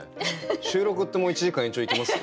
収録ってもう１時間延長いけます？